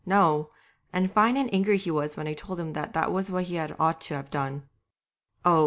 No, and fine and angry he was when I told him that that was what he ought to have done! Oh!